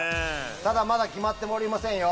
まだ決まっておりませんよ！